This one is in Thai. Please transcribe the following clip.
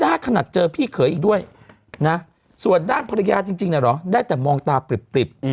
ขนาดเจอพี่เขยอีกด้วยนะส่วนด้านภรรยาจริงเนี่ยเหรอได้แต่มองตาปริบ